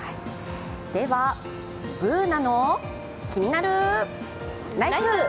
では、「ＢｏｏｎａのキニナルＬＩＦＥ」。